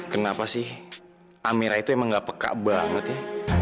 kenapa sih amira itu emang gak pekak banget ya